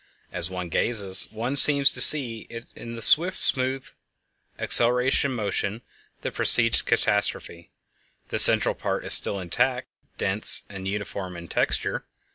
As one gazes one seems to see in it the smooth, swift, accelerating motion that precedes catastrophe. The central part is still intact, dense, and uniform in texture.